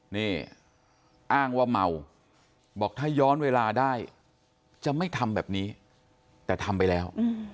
นี่อ้างว่าเมาบอกถ้าย้อนเวลาได้จะไม่ทำแบบนี้แต่ทำไปแล้ว